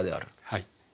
はい。